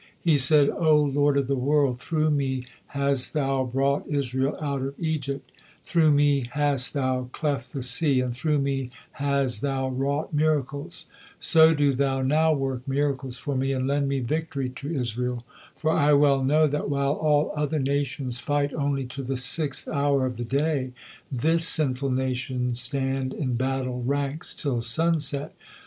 He said: "O Lord of the world! Through me has Thou brought Israel out of Egypt, through me hast Thou cleft the sea, and through me has Thou wrought miracles; so do Thou now work miracles for me, and lend me victory to Israel, for I well know that while all other nations fight only to the sixth hour of the day, this sinful nation stand in battle ranks till sunset."